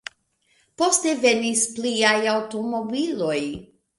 Poste venis pliaj aŭtomobiloj.